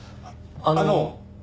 あの。